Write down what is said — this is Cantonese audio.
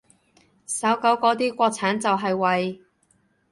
搜狗嗰啲國產就係為